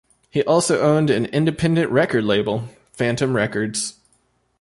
He also owned an independent record label, Phantom Records.